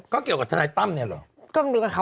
ก็เกี่ยวกับทนายตั้มเนี่ยเหรอ